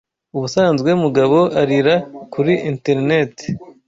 Ubusanzwe Mugabo arira kuri internet